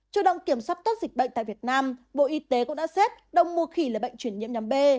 chủ động kiểm soát tốt dịch bệnh tại việt nam bộ y tế cũng đã xét động mùa khỉ là bệnh chuyển nhiễm nhóm b